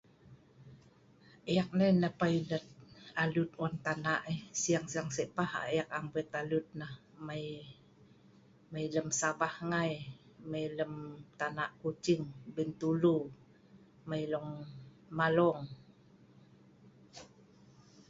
Ek nai nah pilot alut wan tana' ai, siing-siing sipah ek am wet alud nah, mai lem sabah, mai lem tana kuching, Bintulu, mai long malong